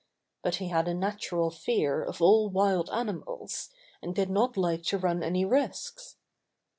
But he had a natural fear of all wild ani mals, and did not like to run any risks.